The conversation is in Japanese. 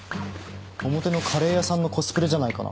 表のカレー屋さんのコスプレじゃないかな。